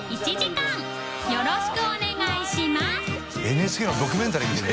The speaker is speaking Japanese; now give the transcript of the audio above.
ＮＨＫのドキュメンタリー見てる。